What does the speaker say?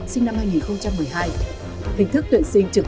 sinh năm hai nghìn một mươi hai hình thức tuyển sinh trực